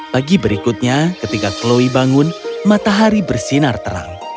pagi berikutnya ketika chloe bangun matahari bersinar terang